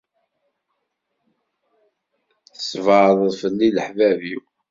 Tesbeɛdeḍ fell-i leḥbab-iw.